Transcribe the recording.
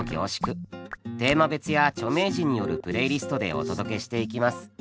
テーマ別や著名人によるプレイリストでお届けしていきます。